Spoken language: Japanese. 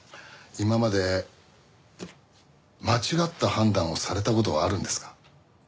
今まで間違った判断をされた事はあるんですか？